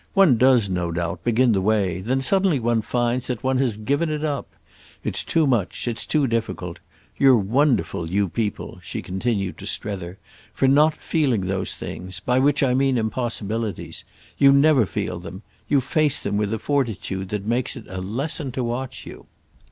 One does, no doubt, begin that way; then suddenly one finds that one has given it up. It's too much, it's too difficult. You're wonderful, you people," she continued to Strether, "for not feeling those things—by which I mean impossibilities. You never feel them. You face them with a fortitude that makes it a lesson to watch you."